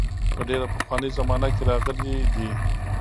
په ډېره پخوانۍ زمانه کې راغلي دي.